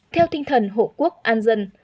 theo tinh thần hộ quốc an dân